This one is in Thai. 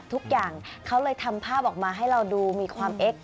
ทุกอย่างเขาเลยทำภาพออกมาให้เราดูมีความเอ็กซ